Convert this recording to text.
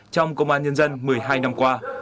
trong công an nhân dân một mươi hai năm qua